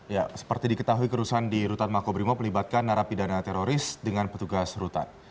ya seperti diketahui kerusuhan di rutan makobrimob melibatkan narapidana teroris dengan petugas rutan